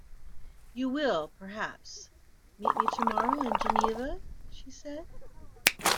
"You will, perhaps, meet me tomorrow in Geneva," she said.